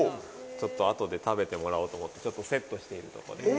ちょっとあとで食べてもらおうと思ってセットしているとこです